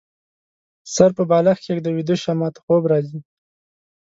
سر په بالښت کيږده ، ويده شه ، ماته خوب راځي